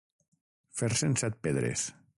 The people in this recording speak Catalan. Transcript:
Fer-se'n set pedres.